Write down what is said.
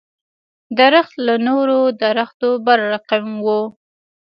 درخت له نورو درختو بل رقم و.